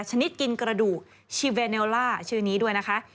ชนิดกินกระดูกชีเวเนลล่าชื่อนี้ด้วยนะคะ